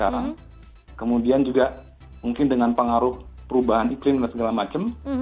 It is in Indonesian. sekarang kemudian juga mungkin dengan pengaruh perubahan iklim dan segala macam